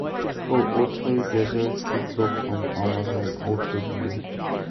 "Co-authored dessert cookbook" From Amazon author bio.